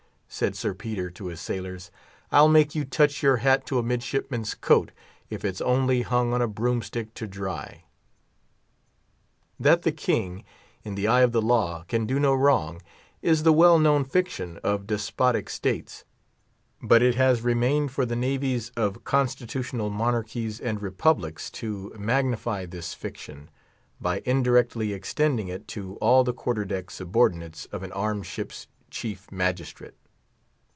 said Sir Peter to his sailors, "I'll make you touch your hat to a midshipman's coat, if it's only hung on a broomstick to dry!" That the king, in the eye of the law, can do no wrong, is the well known fiction of despotic states; but it has remained for the navies of Constitutional Monarchies and Republics to magnify this fiction, by indirectly extending it to all the quarter deck subordinates of an armed ship's chief magistrate.